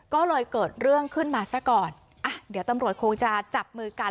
ก็เลยเกิดเรื่องขึ้นมาซะก่อนอ่ะเดี๋ยวตำรวจคงจะจับมือกัน